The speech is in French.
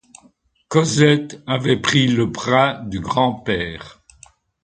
Cosette avait pris le bras du grand-père